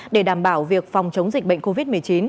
để đảm bảo việc phòng chống dịch bệnh covid một mươi chín